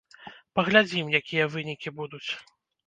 Паглядзім, якія вынікі будуць.